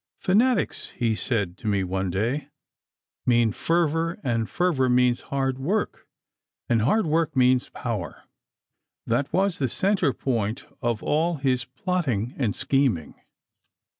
'Fanatics,' he said to me one day, 'mean fervour, and fervour means hard work, and hard work means power.' That was the centre point of all his plotting and scheming.